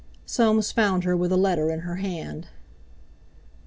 Soames found her with a letter in her hand.